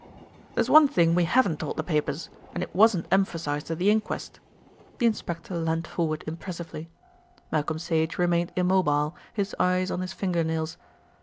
"There's one thing we haven't told the papers, and it wasn't emphasised at the inquest." The inspector leaned forward impressively. Malcolm Sage remained immobile, his eyes on his finger nails.